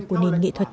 của nền nghệ thuật